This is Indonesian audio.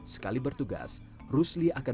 sekali bertugas rusli akan